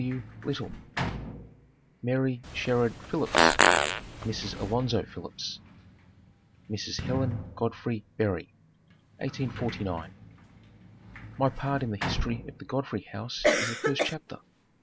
W. Little) MARY SHERRARD PHILLIPS (Mrs. Alonzo Phillips) Mrs. Helen Godfrey Berry 1849. My part in the history of the Godfrey house is the first chapter.